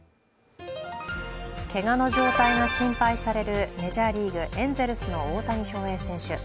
けがの状態が心配されるメジャーリーグ、エンゼルスの大谷翔平選手。